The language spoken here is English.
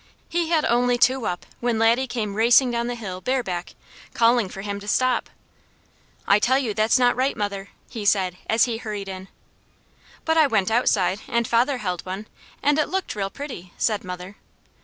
He had only two up when Laddie came racing down the Big Hill bareback, calling for him to stop. "I tell you that's not right, mother!" he said as he hurried in. "But I went outside and father held one, and it looked real pretty," said mother.